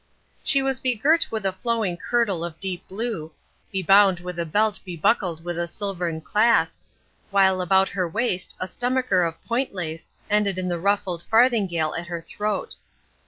She was begirt with a flowing kirtle of deep blue, bebound with a belt bebuckled with a silvern clasp, while about her waist a stomacher of point lace ended in the ruffled farthingale at her throat.